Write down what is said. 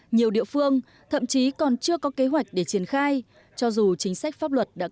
nhiều địa phương thậm chí còn chưa có kế hoạch để triển khai cho dù chính sách pháp luật đã có